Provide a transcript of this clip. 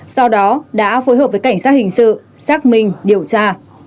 sau đó đã phối hợp với cảnh sát hình sự xác minh điều tra